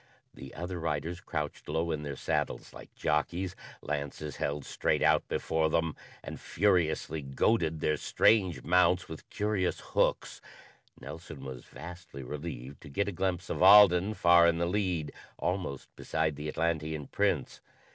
The other riders crouched low in their saddles like jockeys, lances held straight out before them, and furiously goaded their strange mounts with curious hooks. Nelson was vastly relieved to get a glimpse of Alden far in the lead, almost beside the Atlantean Prince.